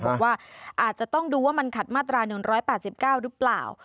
บอกว่าอาจจะต้องดูว่ามันขัดมาตรา๑๘๙หรือเปล่า